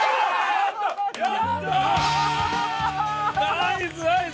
ナイスナイス！